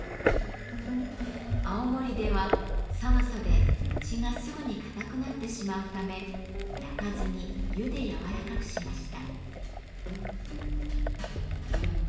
青森では寒さで餅がすぐに硬くなってしまうため焼かずに湯でやわらかくしました。